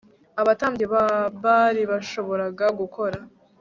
abatambyi ba Bali bashoboraga gukora